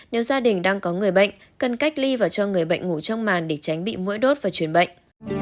nếu gia đình đang có người bệnh cần cách ly và cho người bệnh ngủ trong màn để tránh bị mũi đốt và truyền bệnh